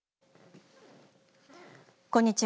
こんにちは。